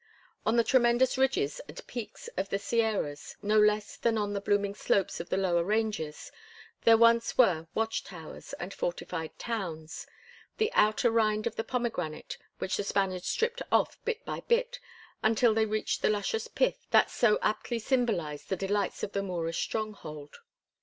On the tremendous ridges and peaks of the Sierras, no less than on the blooming slopes of the lower ranges, there once were watch towers and fortified towns, the outer rind of the pomegranate which the Spaniards stripped off bit by bit until they reached the luscious pith that so aptly symbolized the delights of the Moorish stronghold.